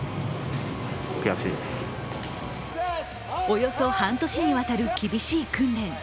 およそ半年にわたる厳しい訓練。